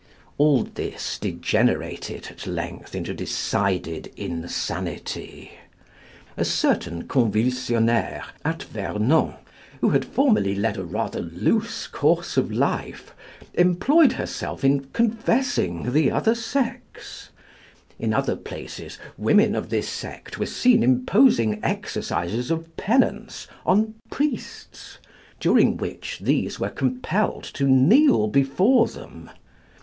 All this degenerated at length into decided insanity. A certain Convulsionnaire, at Vernon, who had formerly led rather a loose course of life, employed herself in confessing the other sex; in other places women of this sect were seen imposing exercises of penance on priests, during which these were compelled to kneel before them.